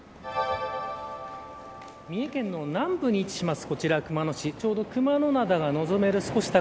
三重県の南部に位置します